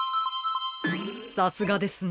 さすがですね。